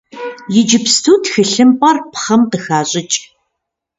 Иджыпсту тхылъымпӏэр пхъэм къыхащӏыкӏ.